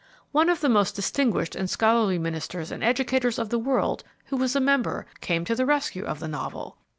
One of the most distinguished and scholarly ministers and educators of the world, who was a member, came to the rescue of the Novel.